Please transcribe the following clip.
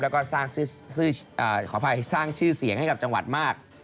แล้วก็สร้างชื่อเสียงให้กับจังหวัดมาก